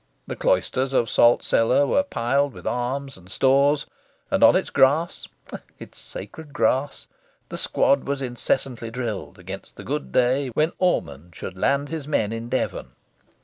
The cloisters of Salt Cellar were piled with arms and stores; and on its grass its sacred grass! the squad was incessantly drilled, against the good day when Ormond should land his men in Devon.